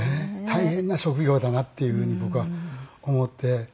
大変な職業だなっていうふうに僕は思って。